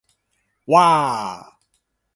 wa!